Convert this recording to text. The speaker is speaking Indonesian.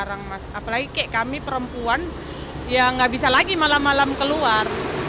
barang mas apalagi kayak kami perempuan ya gak bisa lagi malam malam keluar